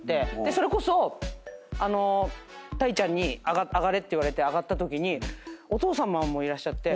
それこそたいちゃんに上がれって言われて上がったときにお父さまもいらっしゃって。